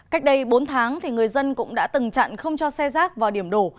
cách đây bốn tháng thì người dân cũng đã từng chặn không cho xe rác vào điểm đổ